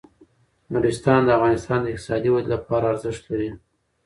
نورستان د افغانستان د اقتصادي ودې لپاره ارزښت لري.